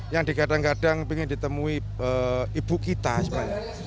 yang dikadang kadang ingin ditemui ibu kita sebenarnya